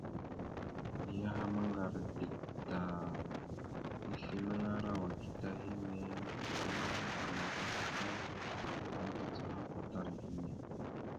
Niyaham ŋgar dik ta, nislimaŋara wakita hinne, ana àmazlaka tal aka macacaha kwatar gime.